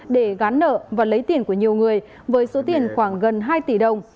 để gán nợ và lấy tiền của nhiều người với số tiền khoảng gần hai tỷ đồng